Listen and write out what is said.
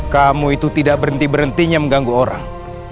kamu itu tidak berhenti berhentinya mengganggu orang